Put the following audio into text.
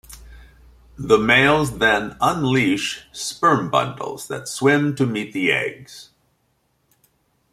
The males then unleash sperm bundles that swim to meet the eggs.